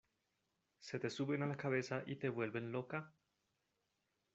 se te suben a la cabeza y te vuelven loca?